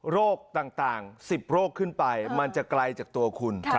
โรคต่าง๑๐โรคขึ้นไปมันจะไกลจากตัวคุณ